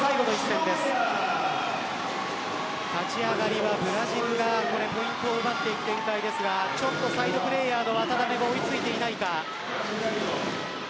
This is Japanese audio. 立ち上がりはブラジルがポイントを奪っていく展開ですがサイドプレーヤーの渡邊が追いついていないか。